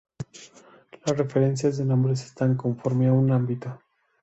Las referencias de nombres están conforme a un ámbito.